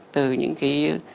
từ những cái